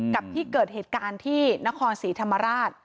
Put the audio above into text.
กับที่เกิดเหตุการณ์ที่นครศรีธรรมราช